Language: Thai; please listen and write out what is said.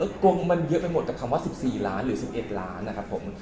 ก็มันเยอะไปหมดกับคำว่า๑๔ล้านหรือ๑๑ล้านนะครับผม